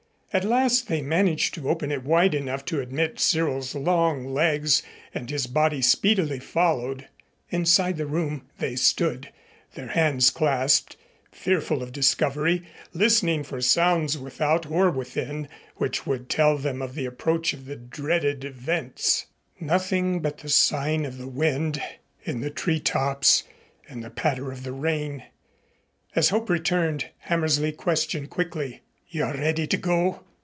At last they managed to open it wide enough to admit Cyril's long legs and his body speedily followed. Inside the room they stood, their hands clasped, fearful of discovery, listening for sounds without or within which would tell them of the approach of the dreaded Wentz. Nothing but the sighing of the wind in the treetops and the patter of the rain. As hope returned, Hammersley questioned quickly: "You are ready to go?"